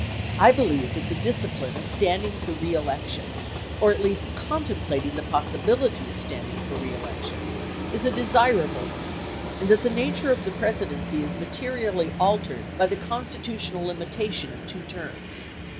I believe that the discipline of standing for reelection, or at least contemplating the possibility of standing for reelection, is a desir able one and that the nature of the Presidency is materially altered by the constitutional limitation of two terms.